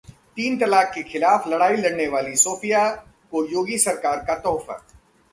तीन तलाक के खिलाफ लड़ाई लड़ने वाली सोफिया को योगी सरकार का तोहफा